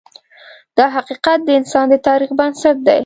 دا حقیقت د انسان د تاریخ بنسټ دی.